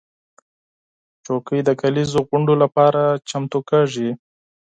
چوکۍ د کليزو غونډو لپاره چمتو کېږي.